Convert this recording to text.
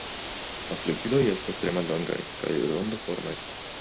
La flugiloj estas tre mallongaj kaj rondoformaj.